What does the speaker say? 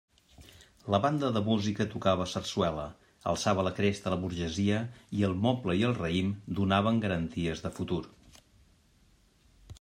La banda de música tocava sarsuela, alçava la cresta la burgesia i el moble i el raïm donaven garanties de futur.